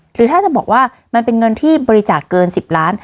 หรือถ้าจะบอกว่ามันเป็นเงินที่บริจาคเกิน๑๐ล้าน